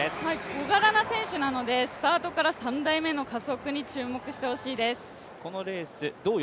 小柄な選手なのでスタートから３台目の加速に注目してほしいです。